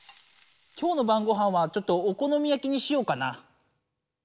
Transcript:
今日のばんごはんはちょっとお好み焼きにしようかな。